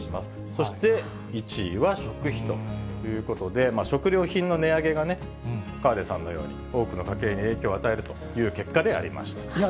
そして１位は食費ということで、食料品の値上げがね、河出さんのように多くの家計に影響を与えるという結果でありましいや